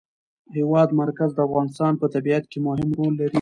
د هېواد مرکز د افغانستان په طبیعت کې مهم رول لري.